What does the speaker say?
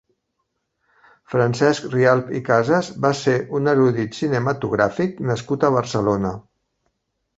Francesc Rialp i Casas va ser un erudit cinematogràfic nascut a Barcelona.